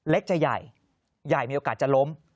เล็กจะใหญ่ใหญ่มีโอกาสจะล้ม